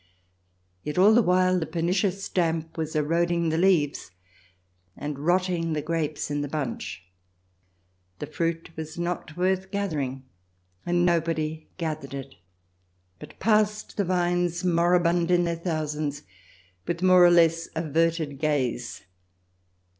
Yet all the while the pernicious damp was eroding the leaves and rotting the grapes in the bunch. The fruit was not worth gathering, and nobody gathered it, but passed the vines, moribund in their thousands, with more 293 294 THE DESIRABLE ALIEN [ch. xxi or less averted gaze.